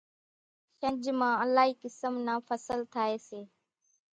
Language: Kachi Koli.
شنجھ مان الائِي قِسم نان ڦصل ٿائيَ سي۔